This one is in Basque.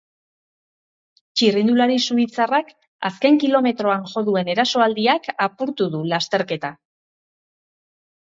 Txirrindulari suitzarrak azken kilometroan jo duen erasoaldiak apurtu du lasterketa.